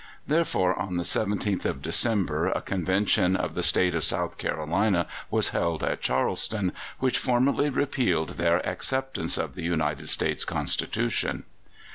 Therefore, on the 17th of December a convention of the State of South Carolina was held at Charleston, which formally repealed their acceptance of the United States Constitution.